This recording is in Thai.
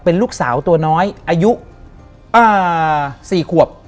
เป็นลูกสาวตัวน้อยอายุ๔ขวบ